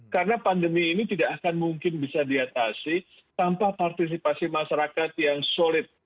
karena pandemi ini tidak akan mungkin bisa diatasi tanpa partisipasi masyarakat yang solid